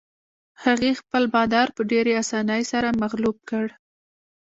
هغې خپل بادار په ډېرې اسانۍ سره مغلوب کړ.